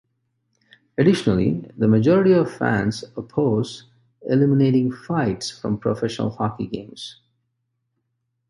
Additionally, the majority of fans oppose eliminating fights from professional hockey games.